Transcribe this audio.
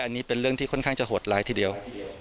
อันนี้เป็นเรื่องที่ค่อนข้างจะโหดร้ายทีเดียว